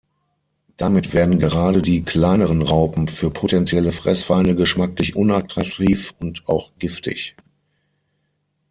Damit werden gerade die kleineren Raupen für potentielle Fressfeinde geschmacklich unattraktiv und auch giftig.